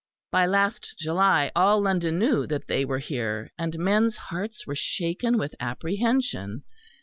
By last July all London knew that they were here, and men's hearts were shaken with apprehension.